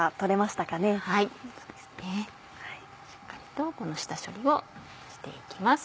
しっかりとこの下処理をして行きます。